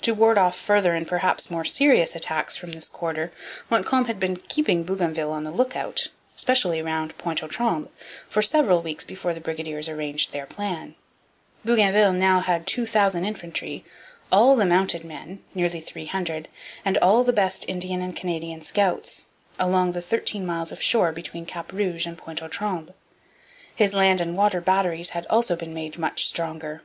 To ward off further and perhaps more serious attacks from this quarter, Montcalm had been keeping Bougainville on the lookout, especially round Pointe aux Trembles, for several weeks before the brigadiers arranged their plan. Bougainville now had 2,000 infantry, all the mounted men nearly 300 and all the best Indian and Canadian scouts, along the thirteen miles of shore between Cap Rouge and Pointe aux Trembles. His land and water batteries had also been made much stronger.